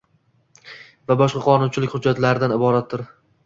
va boshqa qonunchilik hujjatlaridan iboratdir.